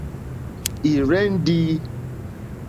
Ì rzɛ́ndī.